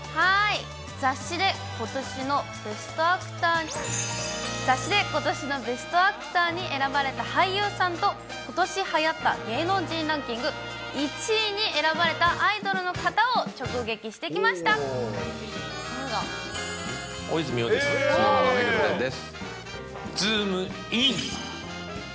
雑誌でことしのベストアクターに選ばれた俳優さんと、ことしはやった芸能人ランキング１位に選ばれたアイドルの方を直大泉洋です。